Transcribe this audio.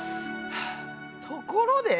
ところで。